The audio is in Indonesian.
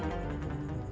jangan jangan jangan